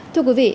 thưa quý vị